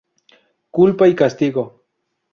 Culpa y castigo.